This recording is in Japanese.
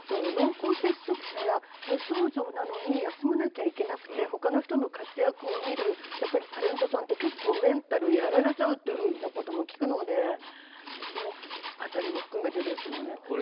濃厚接触者や、無症状なのに休まなきゃいけなくて他の人の活躍を見るタレントさんって結構メンタルやられちゃうって聞くのでその辺りも含めてですね。